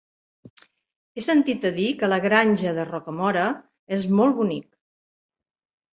He sentit a dir que la Granja de Rocamora és molt bonic.